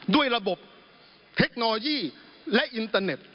ด้วยระบบเทคโนโลยีและอินเตอร์เน็ต